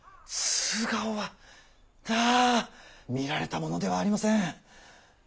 素顔はあ見られたものではありません。